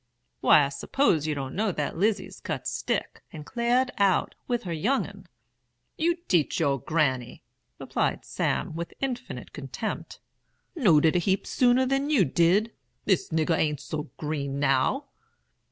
"'Why I s'pose you don't know that Lizy's cut stick, and clared out, with her young un?' "'You teach your granny!' replied Sam, with infinite contempt; 'knowed it a heap sooner than you did. This nigger a'n't so green, now.'